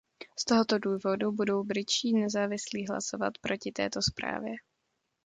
Z tohoto důvodu budou britští Nezávislí hlasovat proti této zprávě.